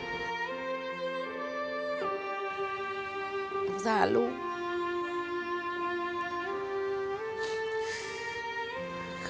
อาจารย์ลูก